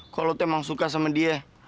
kok lu emang suka sama dia